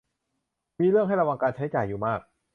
มีเรื่องให้ระวังการใช้จ่ายอยู่มาก